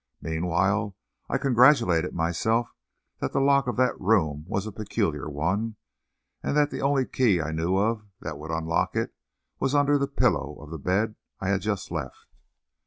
Meanwhile I congratulated myself that the lock of that room was a peculiar one, and that the only key I knew of that would unlock it was under the pillow of the bed I had just left.